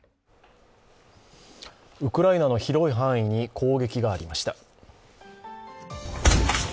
ウクライナの広い範囲に攻撃がありました。